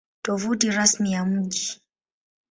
Tovuti Rasmi ya Mji